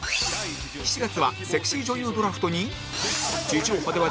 ７月はセクシー女優ドラフトに